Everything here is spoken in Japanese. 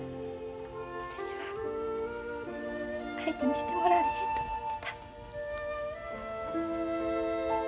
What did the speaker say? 私は相手にしてもらわれへんと思てた。